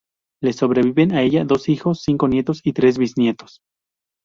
Le sobreviven a ella dos hijos, cinco nietos y tres bisnietos.